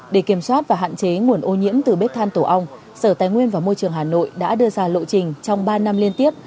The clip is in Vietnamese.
để kiểm soát và hạn chế nguồn ô nhiễm từ bếp than tổ ong sở tài nguyên và môi trường hà nội đã đưa ra lộ trình trong ba năm liên tiếp